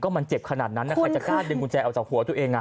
มันเจ็บขนาดนั้นนะใครจะกล้าดึงกุญแจออกจากหัวตัวเองอ่ะ